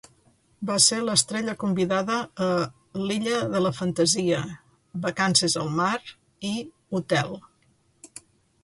Va ser l'estrella convidada a "L'illa de la fantasia", "Vacances al mar" i "Hotel".